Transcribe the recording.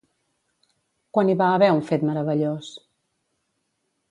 Quan hi va haver un fet meravellós?